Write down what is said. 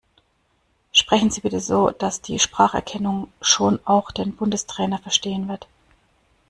Sprechen Sie bitte so, dass die Spracherkennung schon auch den Bundestrainer verstehen wird.